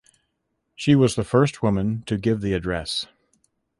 She was the first woman to give the address.